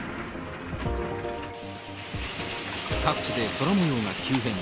各地で空もようが急変。